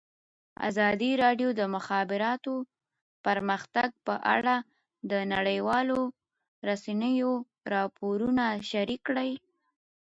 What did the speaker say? ازادي راډیو د د مخابراتو پرمختګ په اړه د نړیوالو رسنیو راپورونه شریک کړي.